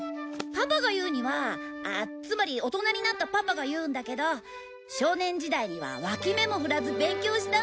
パパが言うにはつまり大人になったパパが言うんだけど少年時代には脇目も振らず勉強したんだってね。